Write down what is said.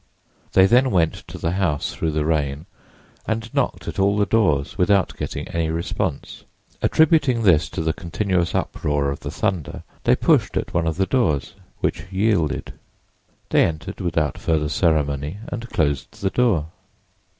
They then went to the house, through the rain, and knocked at all the doors without getting any response. Attributing this to the continuous uproar of the thunder they pushed at one of the doors, which yielded. They entered without further ceremony and closed the door.